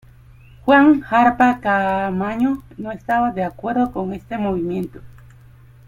Juan Jarpa Caamaño no estaba de acuerdo por este movimiento.